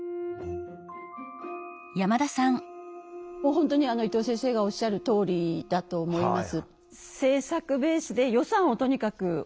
本当に伊藤先生がおっしゃるとおりだと思います。